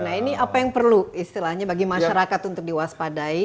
nah ini apa yang perlu istilahnya bagi masyarakat untuk diwaspadai